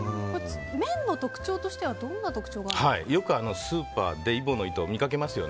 麺の特徴としてはどんな特徴があるんですか？